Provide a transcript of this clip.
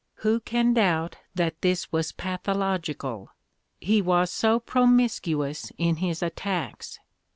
Who can doubt that this was pathological ? He was so promiscuous in his attacks